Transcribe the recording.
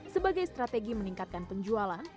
sebagai strategi meningkatkan penjualan